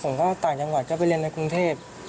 ต่างจังหวัดก็ไปเรียนในกรุงเทพ